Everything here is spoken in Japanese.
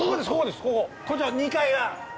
こちらの２階が。